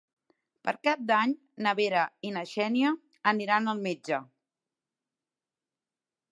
Per Cap d'Any na Vera i na Xènia aniran al metge.